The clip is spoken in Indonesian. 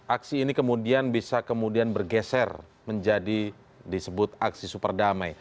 aksi ini kemudian bisa kemudian bergeser menjadi disebut aksi superdamai